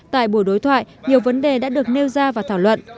tại buổi đối thoại nhiều vấn đề đã được nêu ra và thảo luận